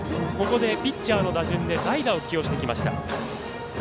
ピッチャーの打順で代打を出してきました。